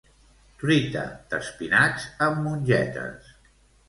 Truita d'espinacs amb mongetes